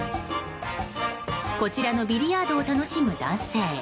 こちらのビリヤードを楽しむ男性。